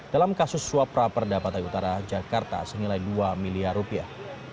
dalam kasus suap praperda pantai utara jakarta senilai dua miliar rupiah